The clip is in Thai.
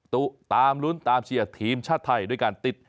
ตุตามลุ้นตามเชียร์ทีมชาติไทยด้วยการติด